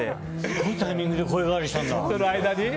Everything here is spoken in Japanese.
すごいタイミングで声変わりしたんだ。